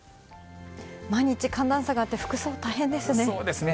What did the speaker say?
毎日寒暖差があって、服装大そうですね。